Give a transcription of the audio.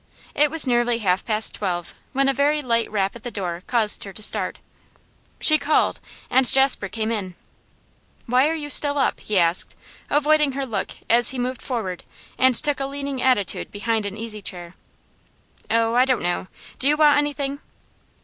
It was nearly half past twelve when a very light rap at the door caused her to start. She called, and Jasper came in. 'Why are you still up?' he asked, avoiding her look as he moved forward and took a leaning attitude behind an easy chair. 'Oh, I don't know. Do you want anything?